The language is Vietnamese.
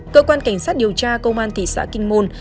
cơ quan cảnh sát điều tra công an thị xã kinh môn